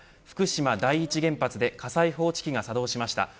福島第一原発で火災報知器が作動しました。